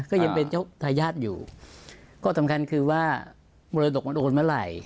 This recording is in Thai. ก็ยังเป็นเจ้าทายาทอยู่ก็สำคัญคือว่ามรดกมันโอนเมื่อไหร่